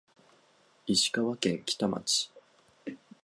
石川県川北町